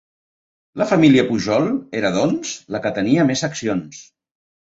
La família Pujol era doncs, la que tenia més accions.